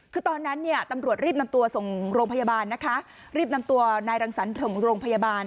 คือตอนนั้นเนี่ยตำรวจรีบนำตัวส่งโรงพยาบาลนะคะรีบนำตัวนายรังสรรค์ส่งโรงพยาบาล